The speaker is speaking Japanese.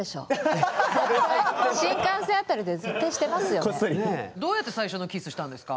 新幹線あたりで絶対してますよね。